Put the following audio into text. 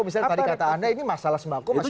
misalnya tadi kata anda ini masalah sembako masih mahal